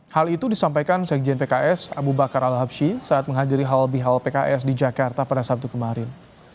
hal itu disampaikan sekjen pks abu bakar al habshi saat menghadiri halal bihalal pks di jakarta pada sabtu kemarin